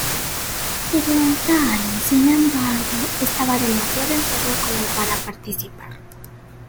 Eglantyne, sin embargo, estaba demasiado enferma como para participar.